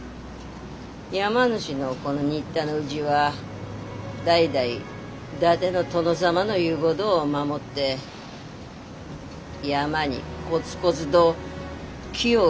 山主のこの新田の家は代々伊達の殿様の言うごどを守って山にコツコツど木を植えできた家だった。